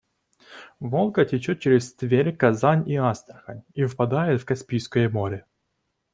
Волга течёт через Тверь, Казань и Астрахань и впадает в Каспийское море.